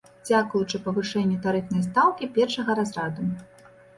Дзякуючы павышэнню тарыфнай стаўкі першага разраду.